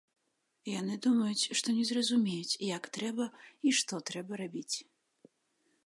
Яны думаюць, што не зразумеюць, як трэба і што трэба рабіць.